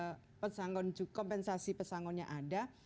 jadi ini ada pesangon kompensasi pesangonnya ada